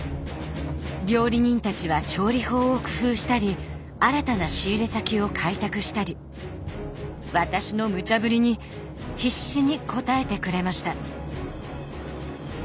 料理人たちは調理法を工夫したり新たな仕入れ先を開拓したり私のむちゃ振りに必死に応えてくれました。